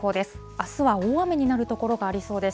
あすは大雨になる所がありそうです。